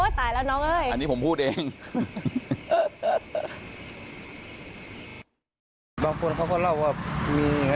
ฉันก็ไม่กลัวเหมือนกันโอ้ตายแล้วน้องเอ้ย